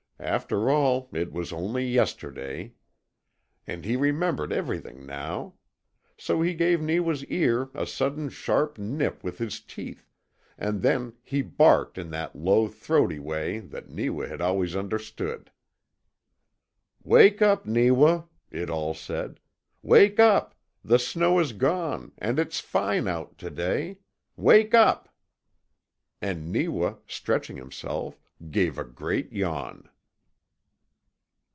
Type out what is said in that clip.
After all, it was only yesterday! And he remembered everything now! So he gave Neewa's ear a sudden sharp nip with his teeth, and then he barked in that low, throaty way that Neewa had always understood. "Wake up, Neewa," it all said. "Wake up! The snow is gone, and it's fine out to day. WAKE UP!" And Neewa, stretching himself, gave a great yawn.